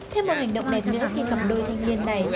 thêm một hành động đẹp nữa khi cặp đôi thanh niên này